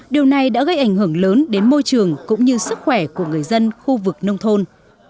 điều này đã gây ảnh hưởng lớn đến môi trường cũng như sức khỏe của người dân khu vực nông thôn